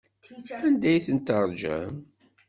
Anda ay ten-teṛjam?